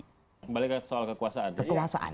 kembali ke soal kekuasaan